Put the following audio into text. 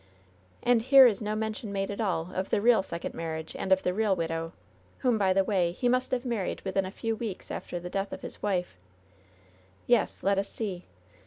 "And here is no mention made at all of the real sec ond marriage and of the real widow ; whom, by the way, he must have married within a few weeks after the death of his wife. Yet! let us see!